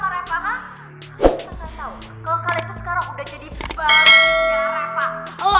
kalian bisa tau kalau kalian tuh sekarang udah jadi babunya reva